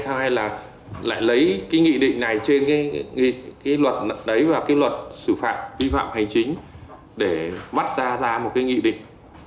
hay là lại lấy cái nghị định này trên cái luật đấy và cái luật xử phạm vi phạm hành chính để vắt ra ra một cái nghị định